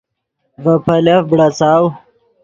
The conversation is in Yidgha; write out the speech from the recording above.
ڤے پیلف بڑاڅاؤ